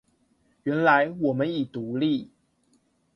原來我們已獨立